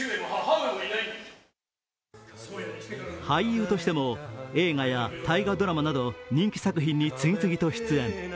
俳優としても映画や大河ドラマなど人気作品に次々と出演。